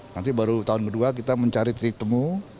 nanti baru tahun kedua kita mencari titik temu